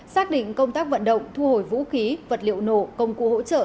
xác định công tác vận động thu hồi vũ khí vật liệu nổ công cụ hỗ trợ